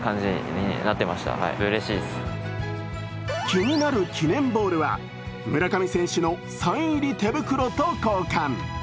気になる記念ボールは村上選手のサイン入り手袋と交換。